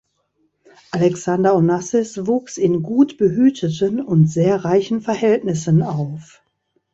Alexander Onassis wuchs in gut behüteten und sehr reichen Verhältnissen auf.